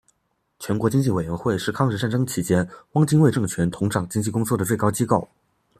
全国经济委员会是抗日战争期间汪精卫政权统掌经济工作的最高机构。